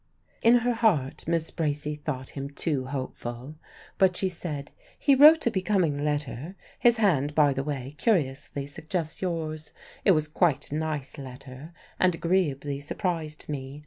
In her heart Miss Bracy thought him too hopeful; but she said, "He wrote a becoming letter his hand, by the way, curiously suggests yours; it was quite a nice letter, and agreeably surprised me.